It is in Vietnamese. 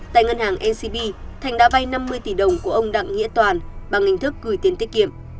tại ngân hàng ncb thành đã vay năm mươi tỷ đồng của ông đặng nghĩa toàn bằng hình thức gửi tiền tiết kiệm